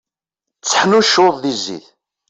Tteḥnuccuḍ di zzit.